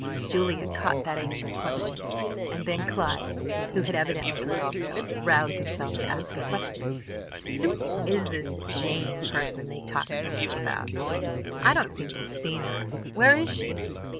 Julia Cloud caught that anxious question, and then Clive, who had evidently heard also, roused himself to ask a question: "Who is this Jane person they talk so much about? I don't seem to have seen her! Where is she?"